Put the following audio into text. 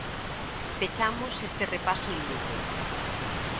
Pechamos este repaso en Lugo.